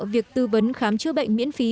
việc tư vấn khám chứa bệnh miễn phí